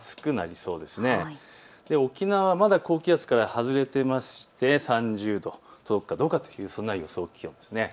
そして沖縄はまだ高気圧から外れていまして３０度届くかどうかという予想です。